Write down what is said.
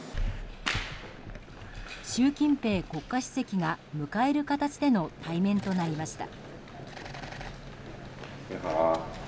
習近平国家主席が迎える形での対面となりました。